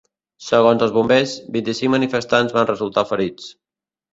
Segons els bombers, vint-i-cinc manifestants van resultar ferits.